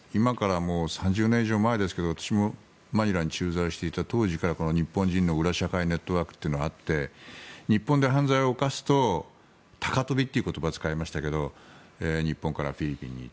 ３０年前ですが私もマニラに駐在していた当時からこの日本人の裏社会ネットワークというのはあって日本で犯罪を犯すと高飛びという言葉がありましたが日本からフィリピンに。